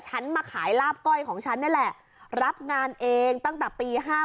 มาขายลาบก้อยของฉันนี่แหละรับงานเองตั้งแต่ปี๕๗